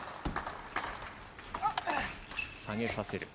下げさせる。